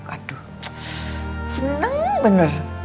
aduh seneng bener